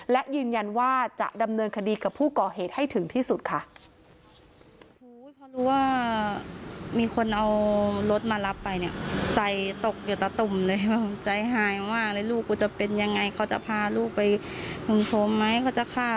และยืนยันว่าจะดำเนินคดีกับผู้ก่อเหตุให้ถึงที่สุดค่ะ